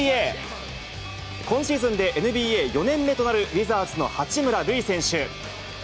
今シーズンでＮＢＡ４年目となるウィザーズの八村塁選手。